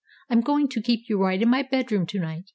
"I'm going to keep you right in my bedroom to night.